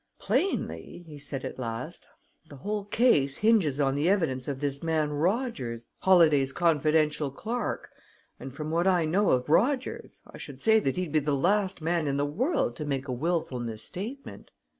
"Plainly," he said at last, "the whole case hinges on the evidence of this man Rogers Holladay's confidential clerk and from what I know of Rogers, I should say that he'd be the last man in the world to make a willful misstatement.